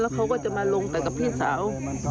แล้วเขาก็จะมาลงแต่กับพี่สาว